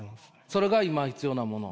それが今必要なもの？